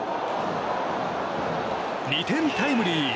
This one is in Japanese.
２点タイムリー！